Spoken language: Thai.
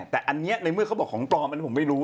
แต่อันนี้ในเมื่อเขาบอกของปลอมอันนี้ผมไม่รู้